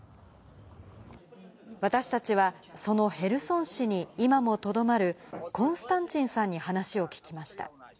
私たちは、そのヘルソン市に今もとどまる、コンスタンチンさんに話を聞きました。